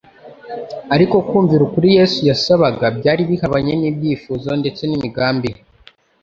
Ariko kumvira ukuri Yesu yasabaga, byari bihabanye n'ibyifuzo ndetse n'imigambi ye,